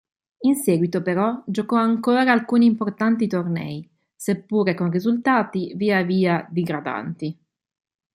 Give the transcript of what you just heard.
In seguito però giocò ancora alcuni importanti tornei, seppure con risultati via via digradanti.